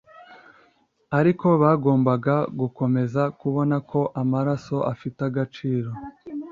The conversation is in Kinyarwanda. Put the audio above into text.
ariko bagombaga gukomeza kubona ko amaraso afite agaciro.